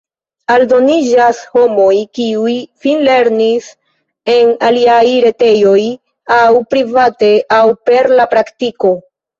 Aldoniĝas homoj, kiuj finlernis en aliaj retejoj aŭ private aŭ per la praktiko.